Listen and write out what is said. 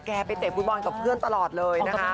ไปเตะฟุตบอลกับเพื่อนตลอดเลยนะคะ